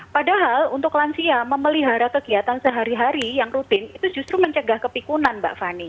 padahal untuk lansia memelihara kegiatan sehari hari yang rutin itu justru mencegah kepikunan mbak fani